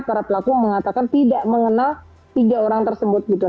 para pelaku mengatakan tidak mengenal tiga orang tersebut gitu